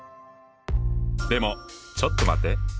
でもちょっと待って？